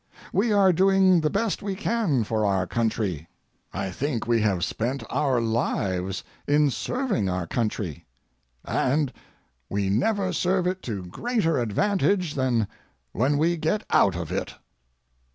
We are doing the best we can for our country. I think we have spent our lives in serving our country, and we never serve it to greater advantage than when we get out of it.